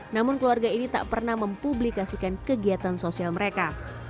namun keluarga ini tak pernah mempublikasikan kegiatan sosial mereka